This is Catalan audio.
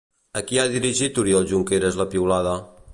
A qui ha dirigit Oriol Junqueras la piulada?